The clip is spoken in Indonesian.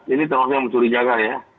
ini termasuk yang mencuri jaga ya